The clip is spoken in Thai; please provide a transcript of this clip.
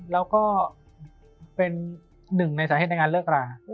แล้วก็เป็นหนึ่งในสาเหตุในการเลิกรา